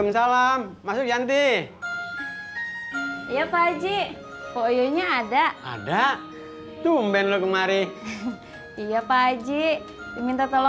mbak yanti ingin masuk dulu